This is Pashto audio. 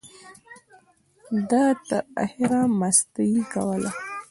ده تر اخره مستۍ کولې.